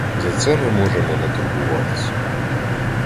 За це ми можемо не турбуватись.